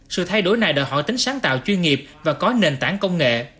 sự thay đổi này đòi họ tính sáng tạo chuyên nghiệp và có nền tảng công nghệ